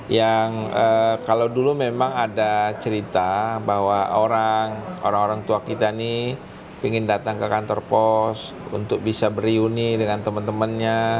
yang kalau dulu memang ada cerita bahwa orang orang tua kita ini ingin datang ke kantor pos untuk bisa beruni dengan teman temannya